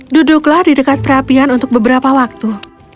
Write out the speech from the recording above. duduklah di dekat perapian untuk beberapa waktu